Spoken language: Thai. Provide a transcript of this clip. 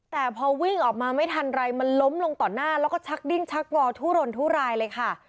แต่พอวิ่งออกมาไม่ทันไรมันล้มลงต่อหน้าแล้วก็ชักดิ้งชักงอทุรนทุรายเลยค่ะ